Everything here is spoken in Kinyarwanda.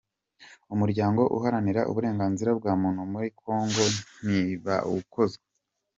Umuryango Uharanira Uburenganzira Bwamuntu Muri kongo Nibawukozwa